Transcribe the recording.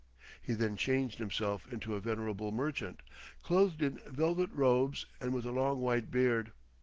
He then changed himself into a venerable merchant, clothed in velvet robes and with a long white beard.